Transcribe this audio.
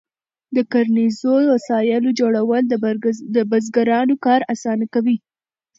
د کرنیزو وسایلو جوړول د بزګرانو کار اسانه کوي.